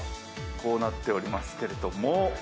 こうなっておりますけれども。